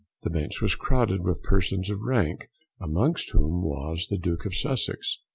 The Bench was crowded with persons of rank, amongst whom was the Duke of Sussex.